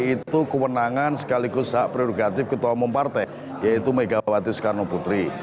itu kewenangan sekaligus hak prerogatif ketua umum partai yaitu megawati soekarno putri